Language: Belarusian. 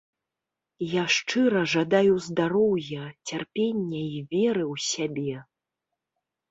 Я шчыра жадаю здароўя, цярпення і веры ў сябе.